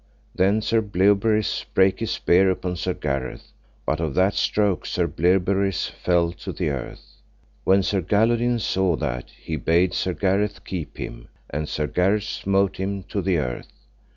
Then Sir Bleoberis brake his spear upon Sir Gareth, but of that stroke Sir Bleoberis fell to the earth. When Sir Galihodin saw that he bade Sir Gareth keep him, and Sir Gareth smote him to the earth.